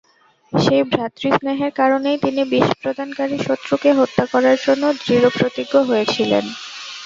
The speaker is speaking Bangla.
সেই ভ্রাতৃস্নেহের কারণেই তিনি বিষ প্রদানকারী শত্রুকে হত্যা করার জন্য দৃঢ়প্রতিজ্ঞ হয়েছিলেন।